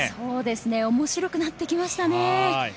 面白くなってきましたね。